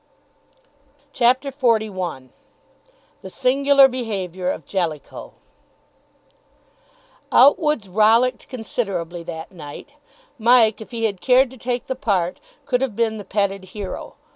CHAPTER XLI THE SINGULAR BEHAVIOUR OF JELLICOE Outwood's rollicked considerably that night. Mike, if he had cared to take the part, could have been the Petted Hero.